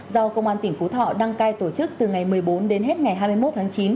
do công an tp hcm đăng cai tổ chức từ ngày một mươi bốn đến hết ngày hai mươi một tháng chín